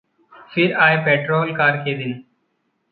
फिर आए petrol car के दिन